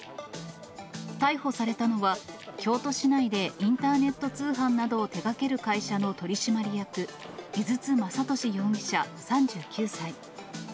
逮捕されたのは、京都市内でインターネット通販などを手がける会社の取締役、井筒雅俊容疑者３９歳。